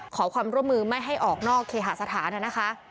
ขอความร่วมมือไม่ให้ออกนอกเคหาสถานนะคะ